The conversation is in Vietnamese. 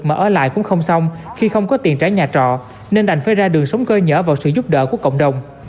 mà ở lại cũng không xong khi không có tiền trả nhà trọ nên đành phải ra đường sống cơ nhở vào sự giúp đỡ của cộng đồng